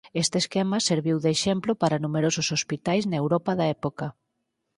Este esquema serviu de exemplo para numerosos hospitais na Europa da época.